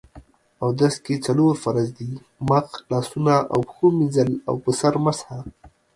اودس کې څلور فرض دي: مخ، لاسونو او پښو مينځل او په سر مسح